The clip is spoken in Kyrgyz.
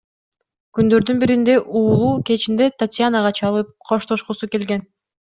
Күндөрдүн биринде уулу кечинде Татьянага чалып, коштошкусу келген.